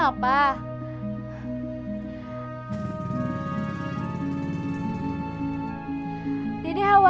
masa kelahan ya